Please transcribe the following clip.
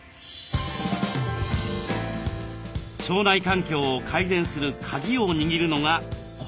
腸内環境を改善するカギを握るのがこちら。